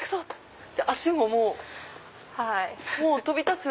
脚ももう飛び立つ。